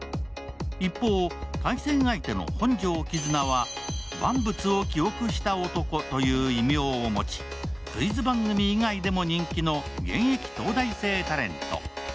一方、対戦相手の本庄絆は万物を記憶した男という異名を持ち、クイズ番組以外でも人気の現役東大生タレント。